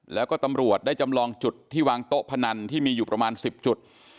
แล้วก็ตำรวจได้จำลองจุดที่วางโต๊ะพนันที่มีอยู่ประมาณ๑๐จุด